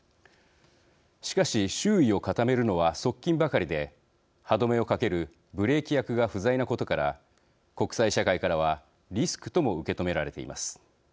しかし、周囲を固めるのは側近ばかりで、歯止めをかけるブレーキ役が不在なことから国際社会からはリスクとも受け止められています。